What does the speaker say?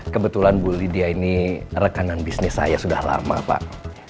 kebetulan bu lydia ini rekanan bisnis saya sudah lama pak